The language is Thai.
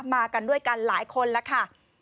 มากันด้วยกันหลายคนแล้วค่ะ